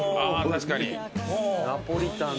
確かに。